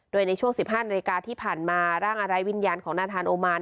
โดยในช่วง๑๕นาฬิกาที่ผ่านมาร่างอะไรวิญญาณของนาธานโอมาน